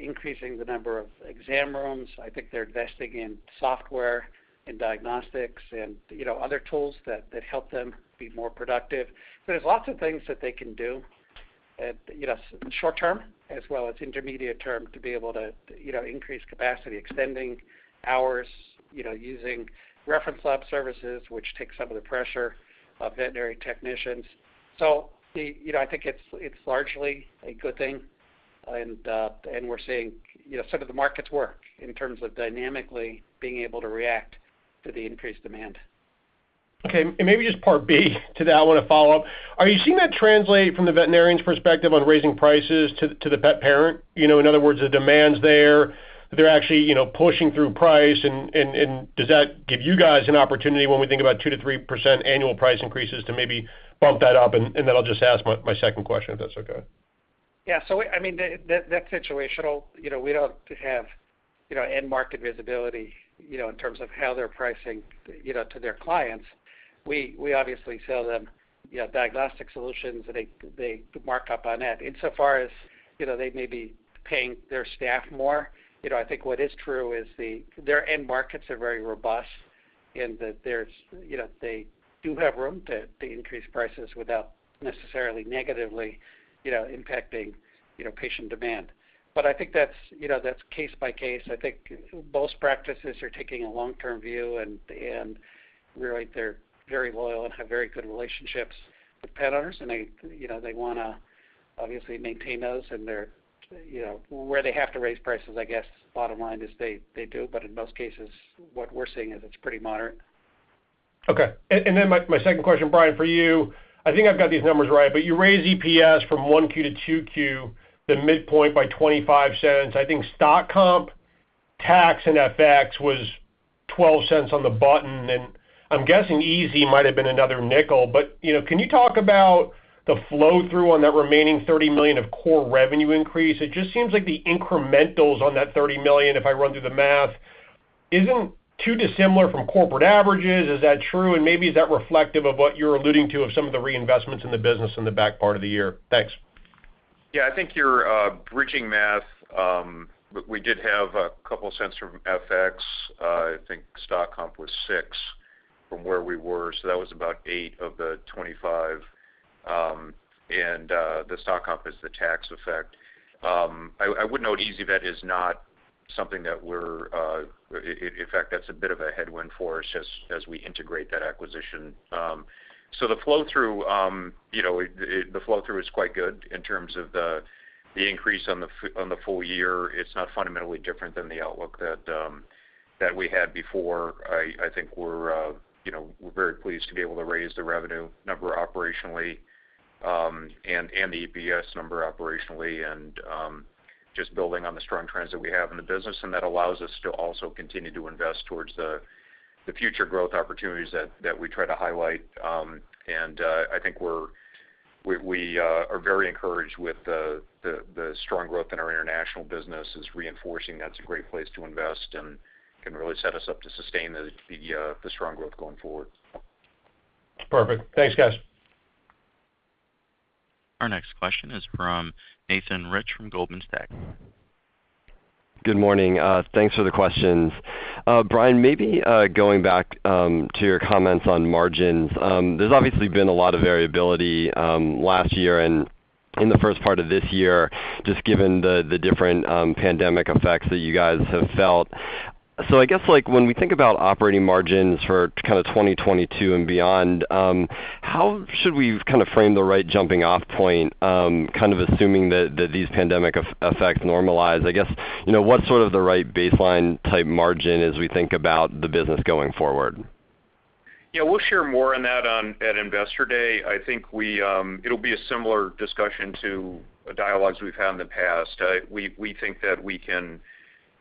Increasing the number of exam rooms. I think they're investing in software, in diagnostics and, you know, other tools that help them be more productive. There's lots of things that they can do at, you know, short term as well as intermediate term to be able to, you know, increase capacity. Extending hours, you know, using reference lab services, which takes some of the pressure off veterinary technicians. You know, I think it's largely a good thing, and we're seeing, you know, some of the markets work in terms of dynamically being able to react to the increased demand. Okay. Maybe just part B to that one, a follow-up. Are you seeing that translate from the veterinarian's perspective on raising prices to the pet parent? You know, in other words, the demand's there, they're actually, you know, pushing through price. Does that give you guys an opportunity when we think about 2%-3% annual price increases to maybe bump that up? Then I'll just ask my second question, if that's okay. I mean, that's situational. You know, we don't have, you know, end market visibility, you know, in terms of how they're pricing, you know, to their clients. We obviously sell them, you know, diagnostic solutions that they mark up on that. Insofar as, you know, they may be paying their staff more, you know, I think what is true is their end markets are very robust in that there's, you know, they do have room to increase prices without necessarily negatively, you know, impacting, you know, patient demand. I think that's, you know, that's case by case. I think most practices are taking a long-term view, and really they're very loyal and have very good relationships with pet owners and they, you know, they wanna obviously maintain those and they're, you know, where they have to raise prices, I guess bottom line is they do, but in most cases what we're seeing is it's pretty moderate. Okay. My second question, Brian, for you. I think I've got these numbers right, but you raised EPS from 1Q to 2Q, the midpoint by $0.25. I think stock comp, tax and FX was $0.12 on the button, and I'm guessing ezyVet might've been another nickel. You know, can you talk about the flow-through on that remaining $30 million of core revenue increase? It just seems like the incrementals on that $30 million, if I run through the math, isn't too dissimilar from corporate averages. Is that true? Maybe is that reflective of what you're alluding to of some of the reinvestments in the business in the back part of the year? Thanks. I think you're bridging math. We did have couple cents from FX. I think stock comp was $0.06 from where we were, so that was about $0.08 of the $0.25. The stock comp is the tax effect. I would note ezyVet is not something that, in fact, that's a bit of a headwind for us just as we integrate that acquisition. The flow-through, you know, the flow-through is quite good in terms of the increase on the full year. It's not fundamentally different than the outlook that we had before. I think we're, you know, we're very pleased to be able to raise the revenue number operationally, and the EPS number operationally and just building on the strong trends that we have in the business. That allows us to also continue to invest towards the future growth opportunities that we try to highlight. I think we are very encouraged with the strong growth in our international business is reinforcing that's a great place to invest and can really set us up to sustain the strong growth going forward. Perfect. Thanks, guys. Our next question is from Nathan Rich from Goldman Sachs. Good morning. Thanks for the questions. Brian, maybe, going back to your comments on margins. There's obviously been a lot of variability last year and in the first part of this year, just given the different pandemic effects that you guys have felt. I guess, like, when we think about operating margins for kind of 2022 and beyond, how should we kind of frame the right jumping off point, kind of assuming that these pandemic effects normalize? I guess, you know, what's sort of the right baseline type margin as we think about the business going forward? Yeah. We'll share more on that at Investor Day. It'll be a similar discussion to dialogues we've had in the past. We think that we can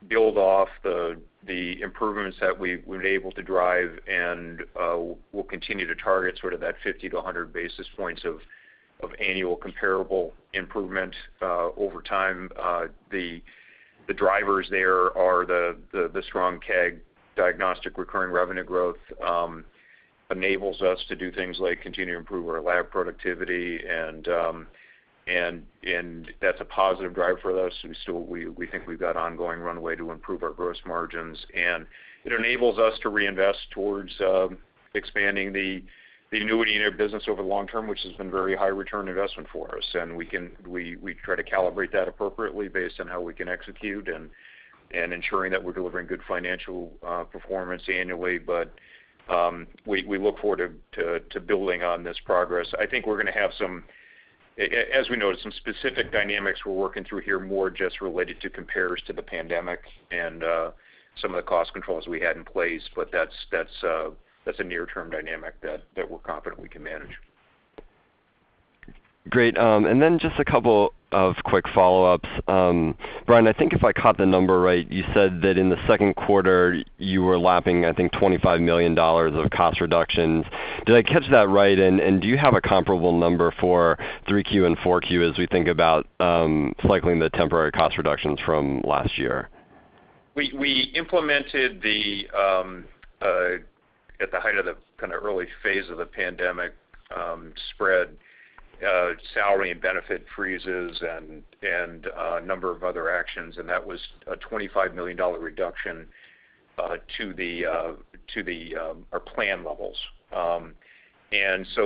build off the improvements that we've been able to drive and we'll continue to target sort of that 50 to 100 basis points of annual comparable improvement over time. The drivers there are the strong CAG Diagnostic recurring revenue growth enables us to do things like continue to improve our lab productivity and that's a positive driver for us. We still we think we've got ongoing runway to improve our gross margins, and it enables us to reinvest towards expanding the annuity in our business over the long term, which has been very high return investment for us. We try to calibrate that appropriately based on how we can execute and ensuring that we're delivering good financial performance annually. We look forward to building on this progress. I think we're gonna have some, as we noted, some specific dynamics we're working through here more just related to compares to the pandemic and some of the cost controls we had in place. That's a near-term dynamic that we're confident we can manage. Great. Just a couple of quick follow-ups. Brian, I think if I caught the number right, you said that in the second quarter you were lapping, I think, $25 million of cost reductions. Did I catch that right? Do you have a comparable number for 3Q and 4Q as we think about cycling the temporary cost reductions from last year? We implemented the at the height of the kinda early phase of the pandemic spread, salary and benefit freezes and a number of other actions, and that was a $25 million reduction to the our plan levels.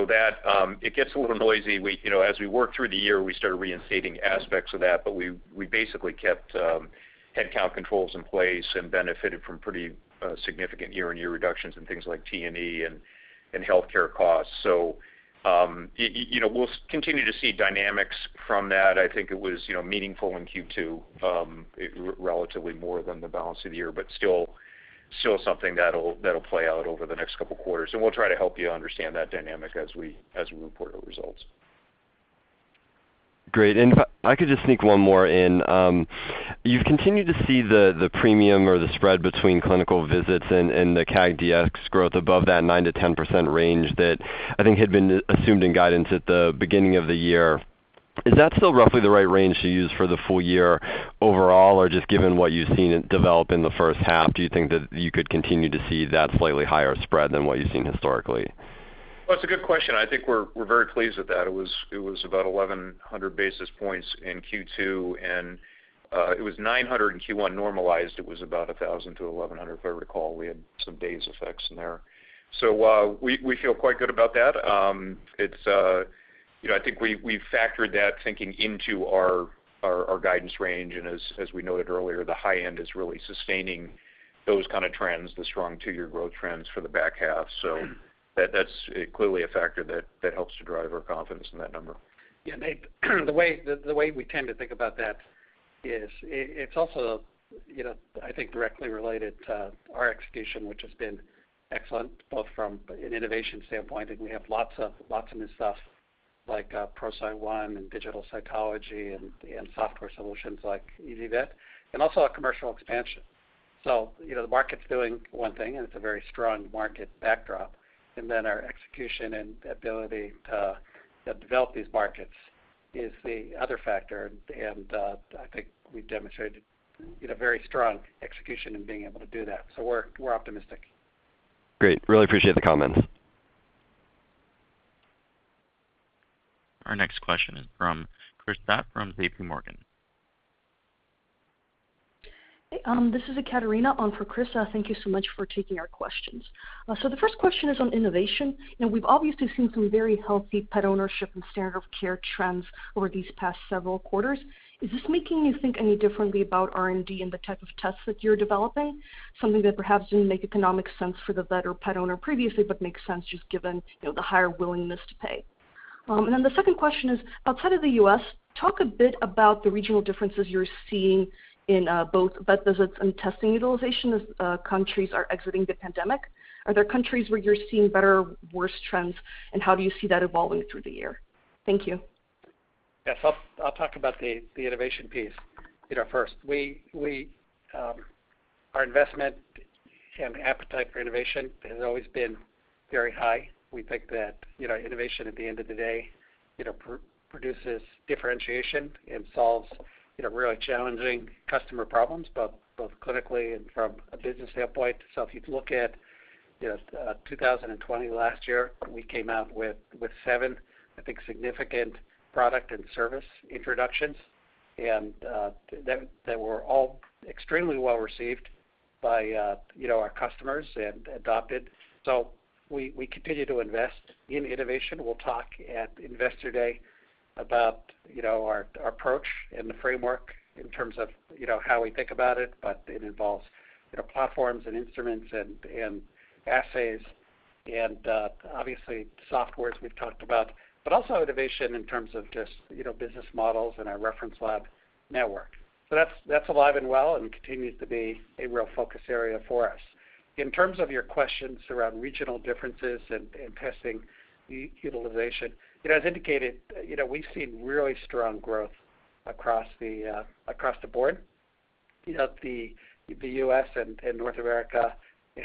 That it gets a little noisy. We, you know, as we worked through the year, we started reinstating aspects of that, but we basically kept headcount controls in place and benefited from pretty significant year-on-year reductions in things like T&E and healthcare costs. You know, we'll continue to see dynamics from that. I think it was, you know, meaningful in Q2, relatively more than the balance of the year, but still something that'll play out over the next two quarters. We'll try to help you understand that dynamic as we report our results. Great. If I could just sneak one more in? You've continued to see the premium or the spread between clinical visits and the CAG DX growth above that 9%-10% range that I think had been assumed in guidance at the beginning of the year. Is that still roughly the right range to use for the full year overall? Just given what you've seen it develop in the first half, do you think that you could continue to see that slightly higher spread than what you've seen historically? Well, it's a good question. I think we're very pleased with that. It was about 1,100 basis points in Q2, and it was 900 in Q1. Normalized, it was about 1,000 to 1,100, if I recall. We had some FX effects in there. We feel quite good about that. It's, you know, I think we've factored that thinking into our guidance range. As we noted earlier, the high end is really sustaining those kind of trends, the strong two-year growth trends for the back half. That's clearly a factor that helps to drive our confidence in that number. Yeah, Nate, the way we tend to think about that is it's also, you know, I think directly related to our execution, which has been excellent, both from an innovation standpoint. We have lots of new stuff like ProCyte One and IDEXX Digital Cytology and software solutions like ezyVet, and also our commercial expansion. You know, the market's doing one thing, and it's a very strong market backdrop, and then our execution and ability to develop these markets is the other factor. I think we've demonstrated, you know, very strong execution in being able to do that. We're optimistic. Great. Really appreciate the comments. Our next question is from Krista from JPMorgan. This is Ekaterina on for Krista. Thank you so much for taking our questions. The first question is on innovation. You know, we've obviously seen some very healthy pet ownership and standard of care trends over these past several quarters. Is this making you think any differently about R&D and the type of tests that you're developing? Something that perhaps didn't make economic sense for the vet or pet owner previously, but makes sense just given, you know, the higher willingness to pay. The second question is, outside of the U.S., talk a bit about the regional differences you're seeing in both vet visits and testing utilization as countries are exiting the pandemic. Are there countries where you're seeing better or worse trends, and how do you see that evolving through the year? Thank you. Yes, I'll talk about the innovation piece, you know, first. We, our investment and appetite for innovation has always been very high. We think that, you know, innovation at the end of the day, you know, produces differentiation and solves, you know, really challenging customer problems, both clinically and from a business standpoint. If you look at, you know, 2020 last year, we came out with seven, I think, significant product and service introductions. That were all extremely well received by, you know, our customers and adopted. We continue to invest in innovation. We'll talk at Investor Day about, you know, our approach and the framework in terms of, you know, how we think about it, but it involves, you know, platforms and instruments and assays and obviously softwares we've talked about, but also innovation in terms of just, you know, business models and our reference lab network. That's alive and well and continues to be a real focus area for us. In terms of your questions around regional differences and testing utilization, you know, as indicated, you know, we've seen really strong growth across the board. You know, the U.S. and North America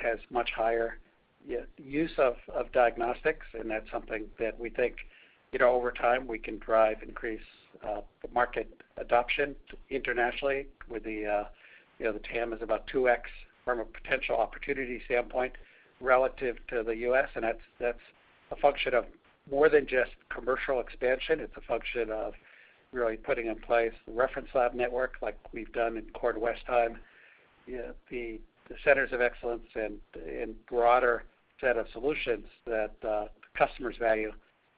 has much higher. Yeah, use of diagnostics, and that's something that we think, you know, over time we can drive increase the market adoption internationally with the, you know, the TAM is about 2x from a potential opportunity standpoint relative to the U.S. That's, that's a function of more than just commercial expansion, it's a function of really putting in place the reference lab network like we've done in Kornwestheim. You know, the centers of excellence and broader set of solutions that customers value,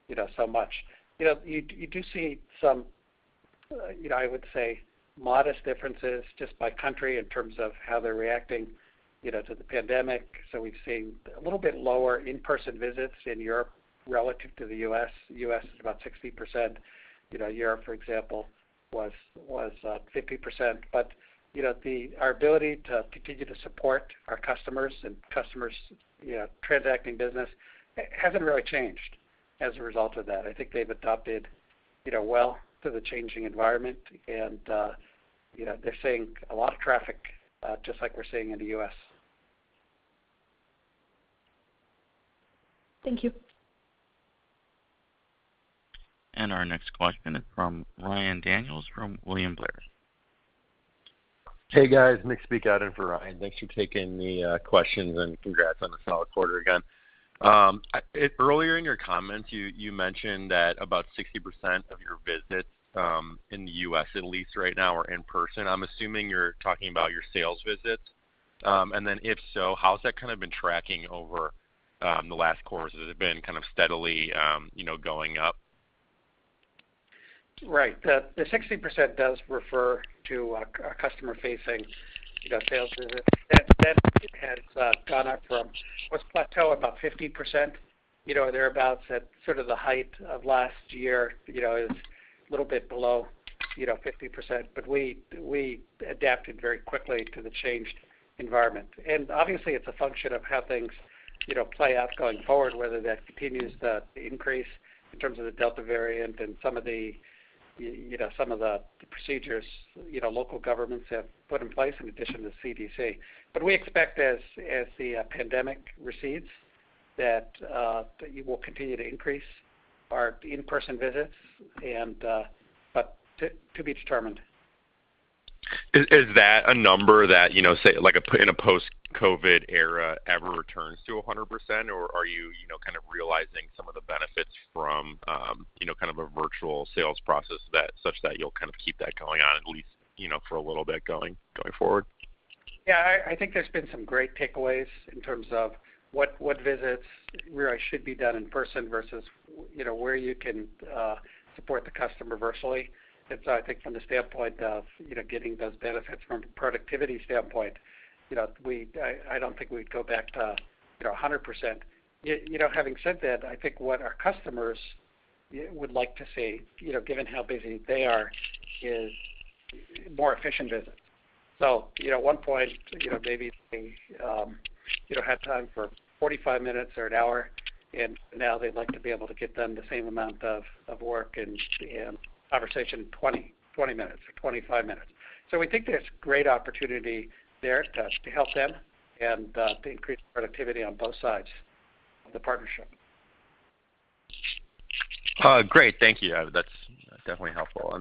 you know, so much. You know, you do see some, you know, I would say modest differences just by country in terms of how they're reacting, you know, to the pandemic. We've seen a little bit lower in-person visits in Europe relative to the U.S. U.S. is about 60%. You know, Europe, for example, was 50%. You know, the-- our ability to continue to support our customers and customers, you know, transacting business, hasn't really changed as a result of that. I think they've adapted, you know, well to the changing environment and, you know, they're seeing a lot of traffic, just like we're seeing in the U.S. Thank you. Our next question is from Ryan Daniels from William Blair. Hey, guys. Nick Spiekhout in for Ryan. Thanks for taking the questions. Congrats on a solid quarter again. Earlier in your comments, you mentioned that about 60% of your visits in the U.S. at least right now are in person. I'm assuming you're talking about your sales visits. If so, how's that kind of been tracking over the last quarter? Has it been kind of steadily, you know, going up? Right. The 60% does refer to a customer-facing, you know, sales visit. That has gone up from what's plateaued about 50%, you know, or thereabouts at sort of the height of last year. You know, it's a little bit below, you know, 50%. We adapted very quickly to the changed environment. Obviously, it's a function of how things, you know, play out going forward, whether that continues to increase in terms of the Delta variant and some of the, you know, some of the procedures, you know, local governments have put in place in addition to CDC. We expect as the pandemic recedes, that you will continue to increase our in-person visits and but to be determined. Is that a number that, you know, say like in a post-COVID era ever returns to 100%, or are you know, kind of realizing some of the benefits from, you know, kind of a virtual sales process that such that you'll kind of keep that going on at least, you know, for a little bit going forward? Yeah, I think there's been some great takeaways in terms of what visits really should be done in person versus, you know, where you can support the customer virtually. I think from the standpoint of, you know, getting those benefits from a productivity standpoint, you know, I don't think we'd go back to, you know, 100%. You know, having said that, I think what our customers, you know, would like to see, you know, given how busy they are, is more efficient visits. You know, at one point, you know, maybe they, you know, had time for 45 minutes or an hour, and now they'd like to be able to get done the same amount of work and conversation in 20 minutes or 25 minutes. We think there's great opportunity there to help them and to increase productivity on both sides of the partnership. Great. Thank you. That's definitely helpful.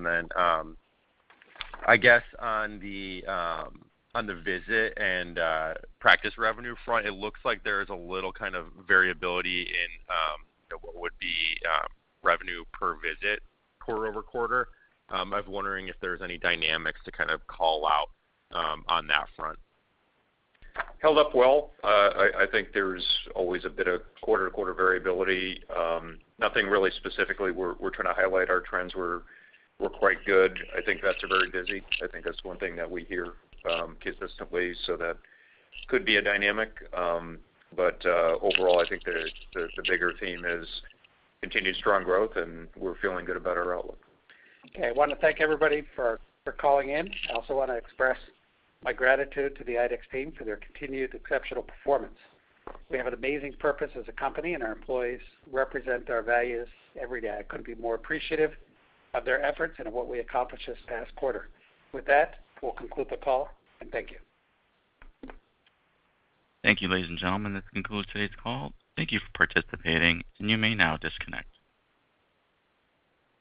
I guess on the on the visit and practice revenue front, it looks like there is a little kind of variability in, you know, what would be revenue per visit quarter-over-quarter. I was wondering if there's any dynamics to kind of call out on that front. Held up well. I think there's always a bit of quarter to quarter variability. Nothing really specifically we're trying to highlight. Our trends were quite good. I think vets are very busy. I think that's one thing that we hear consistently, so that could be a dynamic. Overall, I think the bigger theme is continued strong growth, and we're feeling good about our outlook. Okay. I wanna thank everybody for calling in. I also wanna express my gratitude to the IDEXX team for their continued exceptional performance. We have an amazing purpose as a company, and our employees represent our values every day. I couldn't be more appreciative of their efforts and what we accomplished this past quarter. With that, we'll conclude the call, and thank you. Thank you, ladies and gentlemen. This concludes today's call. Thank you for participating. You may now disconnect.